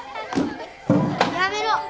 やめろ！